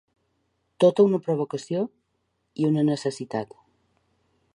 Tota una provocació, i una necessitat.